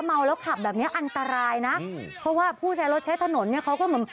เมาแล้วขับแบบเนี้ยอันตรายนะเพราะว่าผู้ใช้รถใช้ถนนเนี่ยเขาก็เหมือน